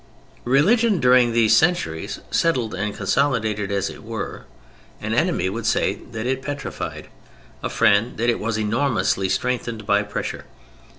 Religion during these centuries settled and consolidated, as it were. An enemy would say that it petrified, a friend that it was enormously strengthened by pressure.